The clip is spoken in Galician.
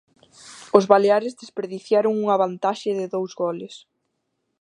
Os baleares desperdiciaron unha vantaxe de dous goles.